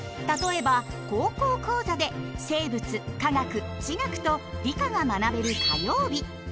例えば「高校講座」で生物化学地学と理科が学べる火曜日。